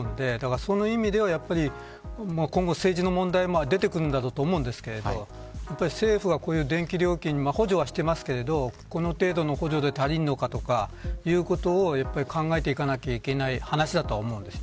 その意味では今後、政治の問題も出てくるとは思いますけど政府が、こういう電気料金補助はしていますがこの程度の補助で足りるのかとかそういうことを考えていかないといけない話だと思います。